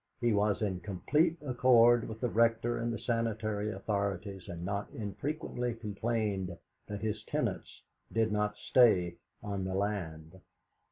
He was in complete accord with the Rector and the sanitary authorities, and not infrequently complained that his tenants did not stay on the land.